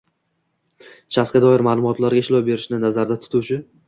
shaxsga doir ma’lumotlarga ishlov berishni nazarda tutuvchi